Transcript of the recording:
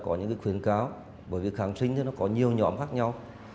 có những khuyến cáo bởi vì kháng sinh có nhiều nhóm khác nhau